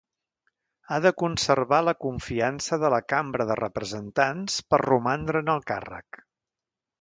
Ha de conservar la confiança de la Cambra de Representants per romandre en el càrrec.